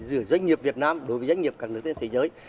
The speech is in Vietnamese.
giữa doanh nghiệp việt nam đối với doanh nghiệp các nước trên thế giới